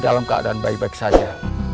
dalam keadaan baik baik saja